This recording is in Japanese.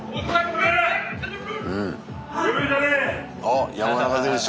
あっ山中選手。